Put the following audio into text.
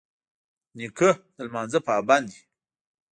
نیکه د لمانځه پابند وي.